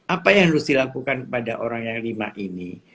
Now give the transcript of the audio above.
apa yang harus dilakukan pada orang yang lima ini